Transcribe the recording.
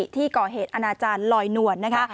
ที่ก่อเหตุอนาจารย์ลอยนวลนะคะ